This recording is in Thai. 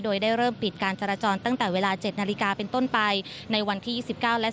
โดยได้เริ่มปิดการจรจรตั้งแต่เวลาเจ็ดนาฬิกาเป็นต้นไปในวันที่ยี่สิบเก้าและ